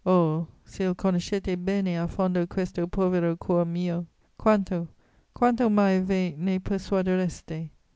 Oh! se'l conoscete bene a fondo questo povero cuor mio, quanto, quanto mai ve ne persuadereste!